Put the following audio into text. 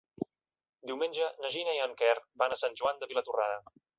Diumenge na Gina i en Quer van a Sant Joan de Vilatorrada.